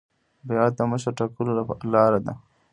بیعت د مشر ټاکلو لار ده